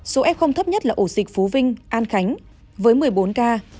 số f thấp nhất là ổ dịch phú vinh an khánh với một mươi bốn ca